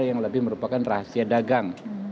yang lebih merupakan rahasia dagang